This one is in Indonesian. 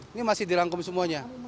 ini masih dilangkum semuanya